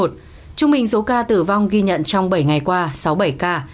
trung bình số ca tử vong ghi nhận trong bảy ngày qua sáu mươi bảy ca